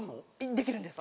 できるんです。